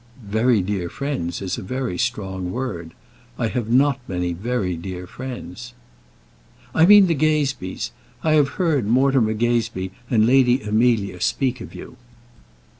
"Very dear friends is a very strong word. I have not many very dear friends." "I mean the Gazebees. I have heard Mortimer Gazebee and Lady Amelia speak of you."